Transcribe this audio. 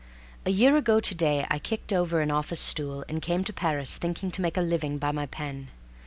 A year ago to day I kicked over an office stool and came to Paris thinking to make a living by my pen.